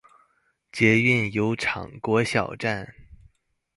捷運油廠國小站